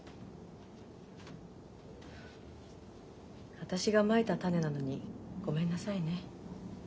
私がまいた種なのにごめんなさいね。